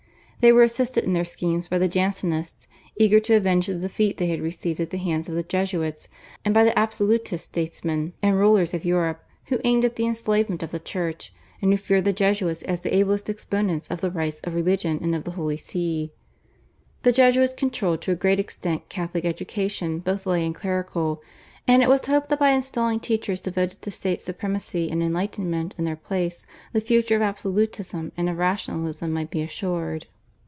They were assisted in their schemes by the Jansenists, eager to avenge the defeat they had received at the hands of the Jesuits, and by the absolutist statesmen and rulers of Europe, who aimed at the enslavement of the Church, and who feared the Jesuits as the ablest exponents of the rights of religion and of the Holy See. The Jesuits controlled to a great extent Catholic education both lay and clerical, and it was hoped that by installing teachers devoted to state supremacy and Enlightenment in their place the future of absolutism and of rationalism might be assured.